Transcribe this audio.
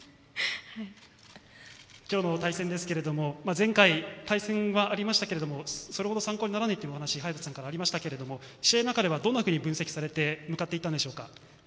今日の対戦ですが前回、対戦はありましたけどもそれほど参考にならないというお話早田さんからありましたけど試合の中ではどんなふうに分析されて向かっていったんでしょうか？